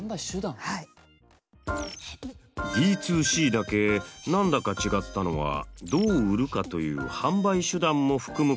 Ｄ２Ｃだけ何だか違ったのはどう売るかという販売手段も含むからだったんですね。